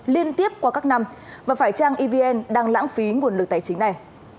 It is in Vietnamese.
liên tiếp qua các năm và phải trang evn đang lãng phí nguồn lực tài chính này